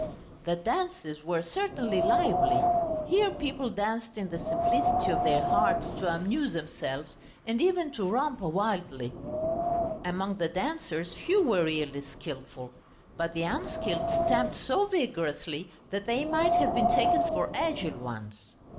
The dances were certainly lively. Here people danced in the simplicity of their hearts to amuse themselves and even to romp wildly. Among the dancers few were really skilful, but the unskilled stamped so vigorously that they might have been taken for agile ones.